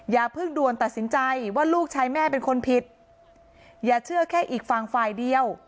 อย่าเพิ่งด่วนตัดสินใจว่าลูกชายแม่เป็นคนผิดอย่าเชื่อแค่อีกฝั่งฝ่ายเดียว